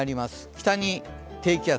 北に低気圧。